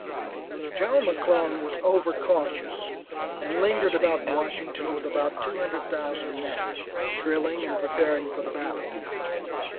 General McClellan was over cautious, and lingered about Washington with about 200,000 men, drilling and preparing for the battle.